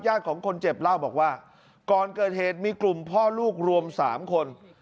ของคนเจ็บเล่าบอกว่าก่อนเกิดเหตุมีกลุ่มพ่อลูกรวม๓คน